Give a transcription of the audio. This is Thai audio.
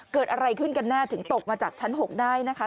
เกิดอะไรขึ้นกันแน่ถึงตกมาจากชั้น๖ได้นะคะ